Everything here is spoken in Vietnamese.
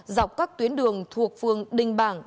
dọc các tuyến đường thuộc phường đình bàng